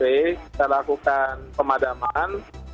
kita lakukan pemadaman